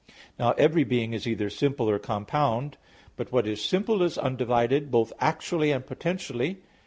Now every being is either simple or compound. But what is simple is undivided, both actually and potentially.